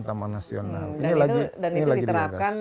taman nasional dan itu diterapkan